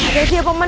ada dia paman